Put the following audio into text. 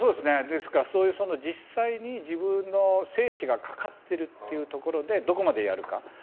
ですから実際に自分の生死がかかってるっていうところでどこまでやるか。